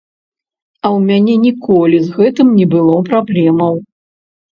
А ў мяне ніколі з гэтым не было праблемаў.